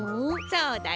そうだよ。